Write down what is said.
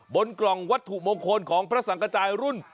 บนกล่องวัตถุมงคลของพระสังกระจายรุ่น